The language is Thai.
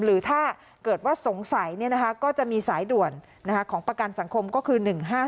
หรือถ้าเกิดว่าสงสัยก็จะมีสายด่วนของประกันสังคมก็คือ๑๕๗